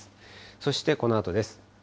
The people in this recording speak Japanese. そしてこのあとです。